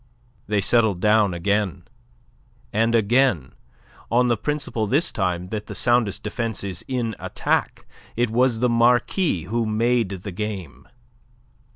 They settled down again; and again on the principle this time that the soundest defence is in attack it was the Marquis who made the game.